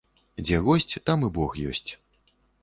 Дзе госць, там і бог ёсць.